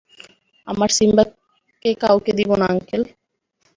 আমার সিম্বাকে কাউকে দিব না, আঙ্কেল!